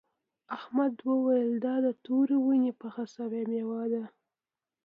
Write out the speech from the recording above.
احمد وویل دا د تورې ونې پخه شوې میوه ده.